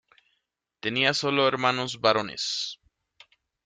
Tenía solo hermanos varones.